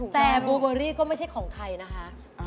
แต่โบเบอรี่ก็ไม่ใช่ของใครนะคะ